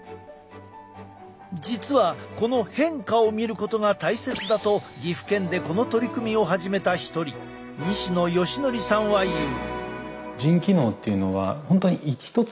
実はこの変化を見ることが大切だと岐阜県でこの取り組みを始めた一人西野好則さんは言う。